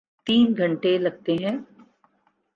تین گھنٹے لگتے ہیں۔